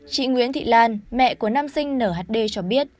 chị nguyễn thị lan mẹ của năm sinh nửa hd cho biết